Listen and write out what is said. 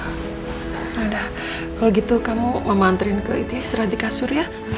yaudah kalau gitu kamu mama anterin ke istirahat di kasur ya